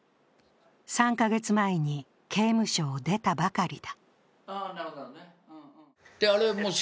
３か月前に刑務所を出たばかりだ。